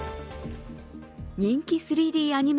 人気３Ｄアニメ